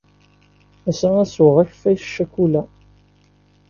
Ass-a, ad sweɣ akeffay s ccikula.